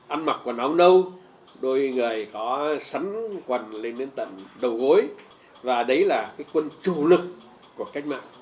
ăn mặc quần áo nâu đôi người có sắn quần lên đến tận đầu gối và đấy là cái quân chủ lực của cách mạng